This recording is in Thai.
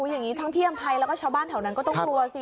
อย่างนี้ทั้งพี่อำภัยแล้วก็ชาวบ้านแถวนั้นก็ต้องกลัวสิ